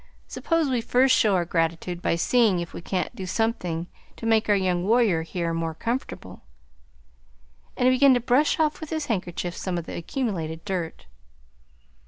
"Suppose we first show our gratitude by seeing if we can't do something to make our young warrior here more comfortable." And he began to brush off with his handkerchief some of the accumulated dirt.